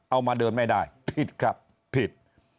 เอามาเดินไม่ได้ผิดครับผิด